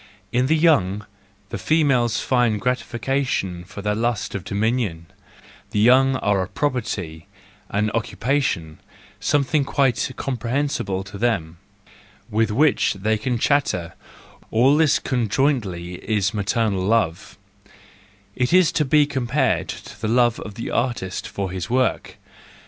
In the young, the females find gratification for their lust of dominion; the young are a property, an occupation, something quite comprehensible to them, with which they can chatter : all this conjointly is maternal love,— it is to be compared to the love of the artist for his work.